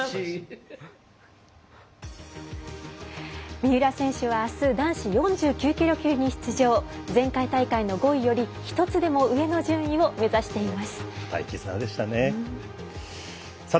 三浦選手はあす男子４９キロ級に出場前回大会の５位より１つでも上の順位を目指しています。